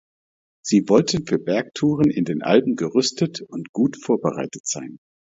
Sie wollten für Bergtouren in den Alpen gerüstet und gut vorbereitet sein.